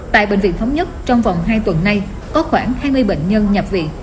tại bệnh viện thống nhất trong vòng hai tuần nay có khoảng hai mươi bệnh nhân nhập viện